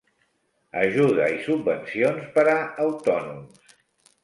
Ajuda i subvencions per a autònoms.